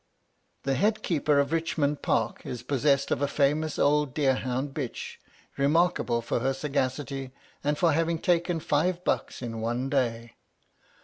The head keeper of Richmond Park is possessed of a famous old deer hound bitch, remarkable for her sagacity, and for having taken five bucks in one day.